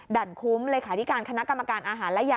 ั่นคุ้มเลขาธิการคณะกรรมการอาหารและยา